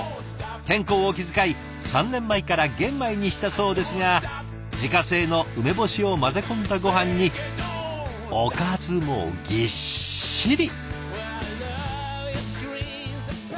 健康を気遣い３年前から玄米にしたそうですが自家製の梅干しを混ぜ込んだごはんにおかずもぎっしり！